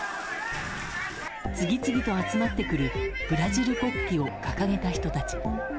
次々と集まってくるブラジル国旗を掲げた人たち。